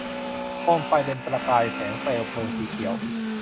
โคมไฟเป็นประกายแสงเปลวเพลิงสีเขียว